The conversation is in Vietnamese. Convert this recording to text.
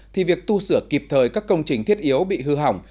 thì việc tu sửa kịp thời các công trình thiết yếu bị hư hỏng